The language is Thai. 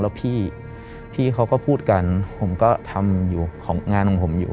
แล้วพี่พี่เขาก็พูดกันผมก็ทำงานของผมอยู่